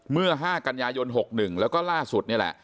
เมื่อ๕กันยายน๖๑แล้วก็ล่าสุดนี่แหละ